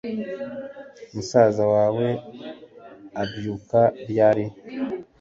musaza wawe abyuka ryari